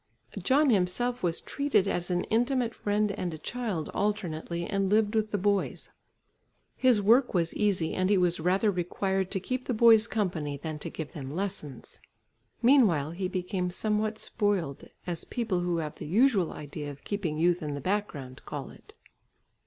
John himself was treated as an intimate friend and a child alternately and lived with the boys. His work was easy and he was rather required to keep the boys company than to give them lessons. Meanwhile he became somewhat "spoiled" as people, who have the usual idea of keeping youth in the background, call it.